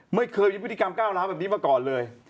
ไม่เคยมีพฤติกรรมก้าวร้าวแบบนี้มาก่อนเลย